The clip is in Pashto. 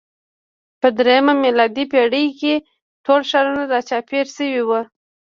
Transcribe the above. په درېیمه میلادي پېړۍ کې ټول ښارونه راچاپېر شوي وو.